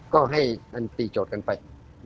ก็ให้มันตีโจทย์กันไป